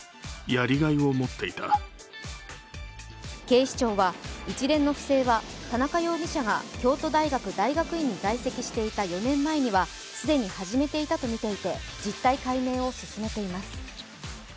警視庁は一連の不正は田中容疑者が京都大学大学院に在籍していた４年前には、既に始めていたとみていて実態解明を進めています。